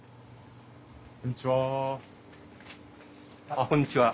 あっこんにちは。